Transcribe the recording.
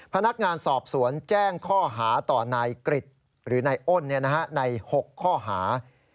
พนักงานสอบสวนแจ้งข้อหาต่อนายกริจหรือนายอ้นใน๖ข้อหา